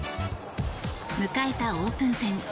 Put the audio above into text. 迎えたオープン戦。